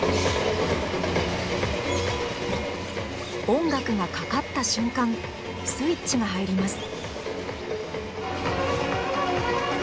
音楽がかかった瞬間スイッチが入ります。